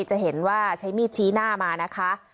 จะเห็นว่าใช้มีดชี้หน้ามานะคะ